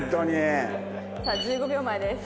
さあ１５秒前です。